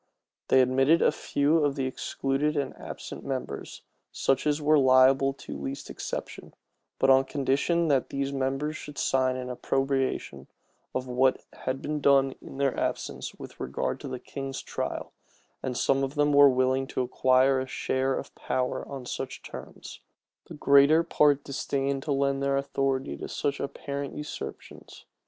They admitted a few of the excluded and absent members, such as were liable to least exception; but on condition that these members should sign an approbation of whatever had been done in their absence with regard to the king's trial; and some of them were willing to acquire a share of power on such terms: the greater part disdained to lend their authority to such apparent usurpations.